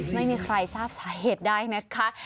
ไม่มีใครทราบสาเหตุได้นะคะ